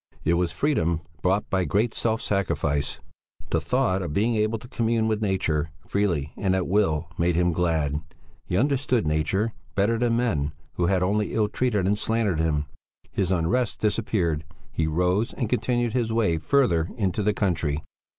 It was freedom bought by great self sacrifice. The thought of being able to commune with nature freely and at will, made him glad; he understood nature better than men who had only ill treated and slandered him; his unrest disappeared; he rose and continued his way further into the country.